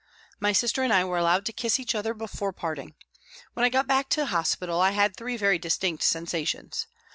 My sister and I were allowed to kiss each other before parting. When I got back to hospital I had three very distinct sensations.